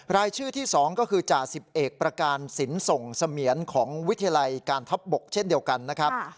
รายชื่อที่๒ก็คือจ่าสิบเอกประการสินส่งเสมียนของวิทยาลัยการทัพบกเช่นเดียวกันนะครับ